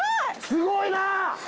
すごいな！